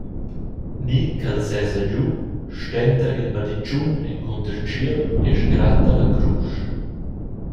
Ni ch’el sesa giu, stenda il baditschun encunter tschiel e sgrata la crusch.